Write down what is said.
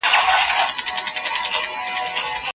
تعصب د پوهې په وړاندې یو لوی خنډ دی.